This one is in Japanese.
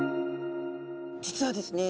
実はですね